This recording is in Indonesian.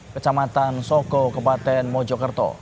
kecamatan soko kepaten mojokerto